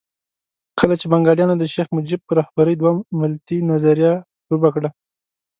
کله چې بنګالیانو د شیخ مجیب په رهبرۍ دوه ملتي نظریه ډوبه کړه.